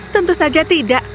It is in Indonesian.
tentu saja tidak